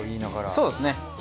そうですね。